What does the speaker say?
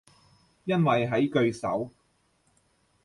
因為喺句首